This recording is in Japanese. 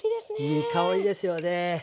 いい香りですよね。